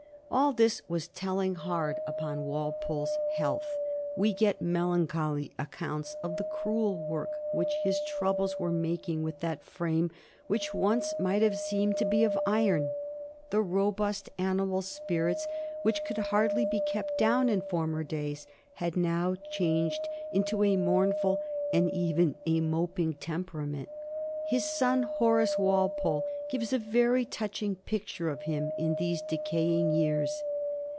All this was telling hard upon Walpole's health. We get melancholy accounts of the cruel work which his trou bles were making with that frame which once might have seemed to be of iron. The robust animal spirits which could hardly be kept down in former days had now changed into a mournful and even a moping temperament. His son, Horace Walpole, gives a very touching picture of him in these decaying years.